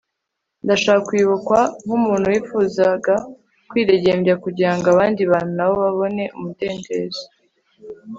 ndashaka kwibukwa nk'umuntu wifuzaga kwidegembya kugira ngo abandi bantu na bo babone umudendezo